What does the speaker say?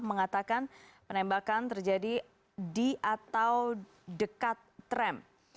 mengatakan penembakan terjadi di atau dekat tram